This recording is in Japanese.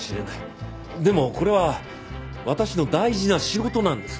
でもこれは私の大事な仕事なんです。